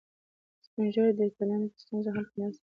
سپین ږیری د ټولنې د ستونزو حل کې مرسته کوي